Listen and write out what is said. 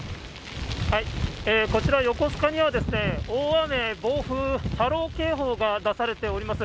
こちら、横須賀には大雨、暴風、波浪警報が出されております。